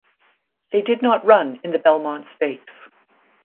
They did not run in the Belmont Stakes.